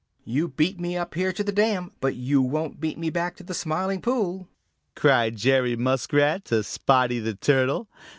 "You beat me up here to the dam, but you won't beat me back to the Smiling Pool," cried Jerry Muskrat to Spotty the Turtle.